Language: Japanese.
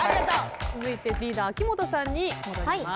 続いてリーダー秋元さんに戻ります。